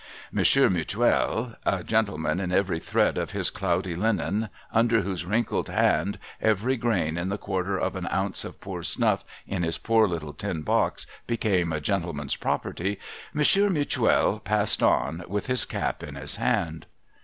Monsieur Mutuel, — a gentleman in every thread of his cloudy linen, under whose wrinkled hand every grain in the quarter of an ounce of poor snuff in his poor little tin box became a gentle man's property, — Monsieur Mutuel passed on, with his cap in his hand.